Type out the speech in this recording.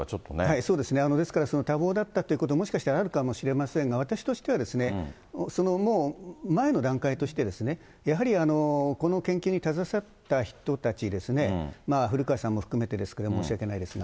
そうですね、ですから、多忙だったということはもしかしてあるかもしれませんが、私としてはそのもう、前の段階として、やはりこの研究に携わった人たちですね、古川さんも含めてですけれども、申し訳ないですが。